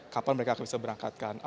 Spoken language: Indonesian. kapan mereka akan bisa berjalan ke indonesia